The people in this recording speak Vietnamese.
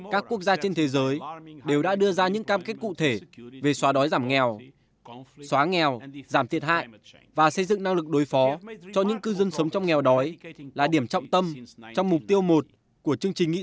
các quốc gia trên thế giới đều đã đưa ra những cam kết cụ thể về xóa đói giảm nghèo xóa nghèo giảm thiệt hại và xây dựng năng lực đối phó cho những cư dân sống trong nghèo đói là điểm trọng tâm trong mục tiêu một của chương trình nghị